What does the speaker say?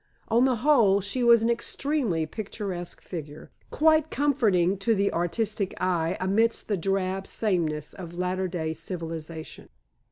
On the whole, she was an extremely picturesque figure, quite comforting to the artistic eye amidst the drab sameness of latterday civilization.